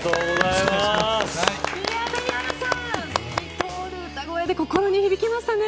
谷原さん、透き通るような歌声で心に響きましたね。